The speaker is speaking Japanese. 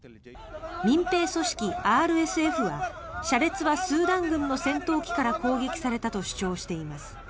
民兵組織ＲＳＦは車列はスーダン軍の戦闘機から攻撃されたと主張しています。